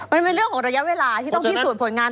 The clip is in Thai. มันเป็นเรื่องของระยะเวลาที่ต้องพิสูจน์ผลงาน